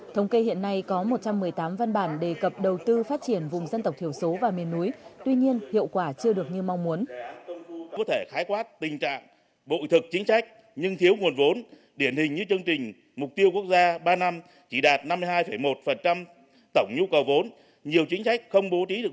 thống kê hiện nay có một trăm một mươi tám văn bản đề cập đầu tư phát triển vùng dân tộc thiểu số và miền núi tuy nhiên hiệu quả chưa được như mong muốn